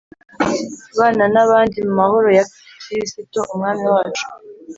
bana nabandi mu mahoro ya kirisito umwami wacu